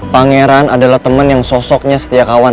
pangeran adalah temen yang sosoknya setia kawan